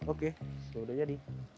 oke sudah jadi